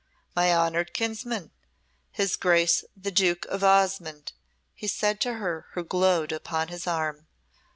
"My honoured kinsman, his Grace the Duke of Osmonde," he said to her who glowed upon his arm.